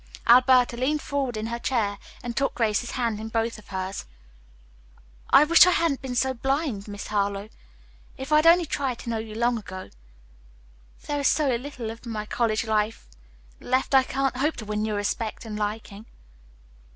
Alberta leaned forward in her chair and took Grace's hand in both of hers. "I wish I hadn't been so blind, Miss Harlowe. If I had only tried to know you long ago. There is so little of my college life left I can't hope to win your respect and liking."